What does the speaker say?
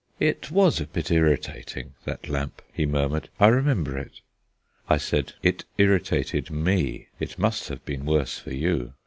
"It was a bit irritating, that lamp," he murmured; "I remember it." I said: "It irritated me; it must have been worse for you.